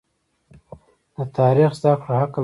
د تاریخ زده کړه عقل زیاتوي.